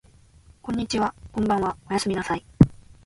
こんにちはこんばんはおやすみなさい